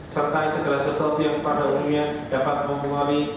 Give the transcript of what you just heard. serta segala sesuatu yang pada umumnya dapat mempengaruhi